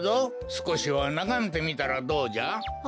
すこしはながめてみたらどうじゃ？